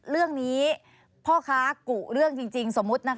เรื่องนี้พ่อกลักคลาขี่เรื่องจริง